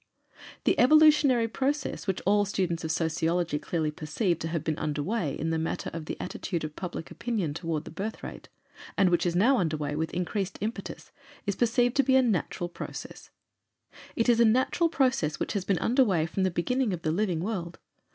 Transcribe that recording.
The evolutionary process which all students of sociology clearly perceive to have been underway in the matter of the attitude of public opinion toward the birth rate, and which is now underway with increased impetus, is perceived to be a natural process. It is a natural process which has been underway from the beginning of the living world.